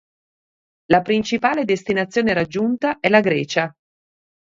La principale destinazione raggiunta è la Grecia.